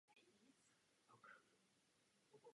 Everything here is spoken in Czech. Nachází se zde stanice Tatranské horské služby.